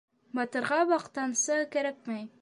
Батырға баҡтансы кәрәкмәй.